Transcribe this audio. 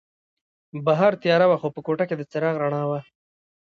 بهر تیاره وه خو په کوټه کې د څراغ رڼا وه.